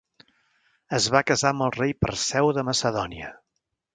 Es va casar amb el rei Perseu de Macedònia.